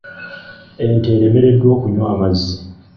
Ente eremereddwa okunywa amazzi.